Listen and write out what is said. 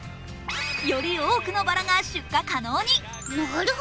より多くのバラが出荷可能に。